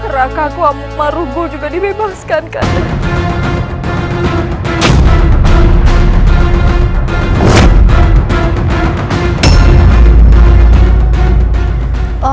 raka kuamuk marugul juga dibebaskan kanda